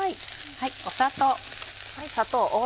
砂糖。